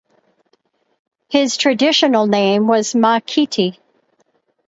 His traditional name was Mahykete.